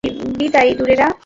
বিদায়, ইঁদুরেরা।